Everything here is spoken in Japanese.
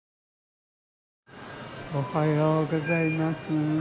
おはようございます。